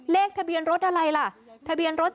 เลขทะเบียนรถอะไรล่ะทะเบียนรถ